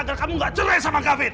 agar kamu gak cerai sama kavin